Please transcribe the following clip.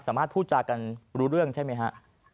สามารถพูดจากกันรู้เรื่องใช่ไหมฮะ